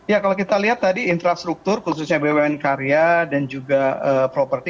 ya kalau kita lihat tadi infrastruktur khususnya bwn karya dan juga properti